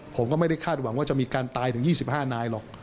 ผมก็ไม่ได้คาดหวังว่าจะมีการตายถึง๒๕นายหรอก